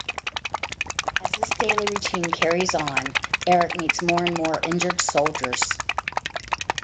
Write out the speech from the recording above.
As this daily routine carries on Erik meets more and more injured soldiers.